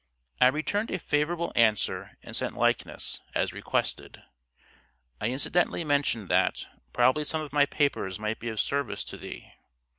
I returned a favorable answer and sent likeness, as requested. I incidentally mentioned that, probably some of my papers might be of service to thee.